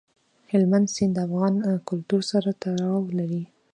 هلمند سیند د افغان کلتور سره تړاو لري.